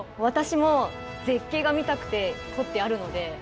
私も絶景が見たくて取ってあるので。